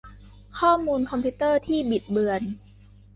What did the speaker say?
ข้อมูลคอมพิวเตอร์ที่บิดเบือน